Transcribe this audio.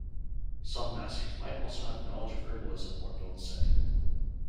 Some masters might also have knowledge of herbalism or bone-setting.